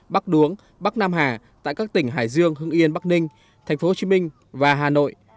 bắc đuống bắc nam hà tại các tỉnh hải dương hưng yên bắc ninh tp hcm và hà nội